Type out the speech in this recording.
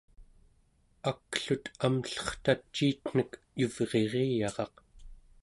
aklut amllertaciitnek yuvririyaraq